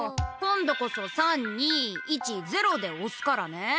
今度こそ３２１ゼロでおすからね。